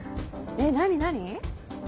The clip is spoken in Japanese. えっ何何？